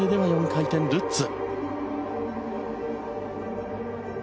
４回転ルッツ。